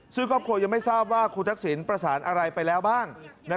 ซึ่งครอบครัวยังไม่ทราบว่าคุณทักษิณประสานอะไรไปแล้วบ้าง